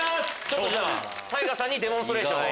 ＴＡＩＧＡさんにデモンストレーションを。